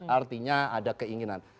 artinya ada keinginan